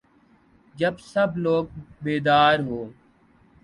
جب سب لوگ بیدار ہو